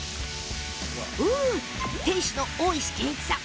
店主の大石健一さん。